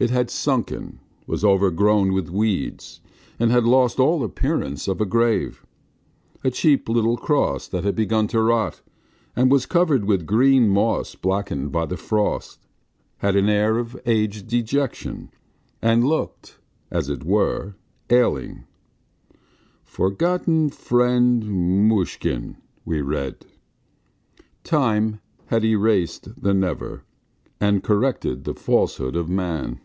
It had sunken, was overgrown with weeds, and had lost all appearance of a grave. A cheap, little cross that had begun to rot, and was covered with green moss blackened by the frost, had an air of aged dejection and looked, as it were, ailing. "... forgotten friend Mushkin ..." we read. Time had erased the never, and corrected the falsehood of man.